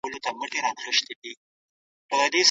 څېړونکی باید په هره برخه کې د اخلاقو لوړ معیارونه وساتي.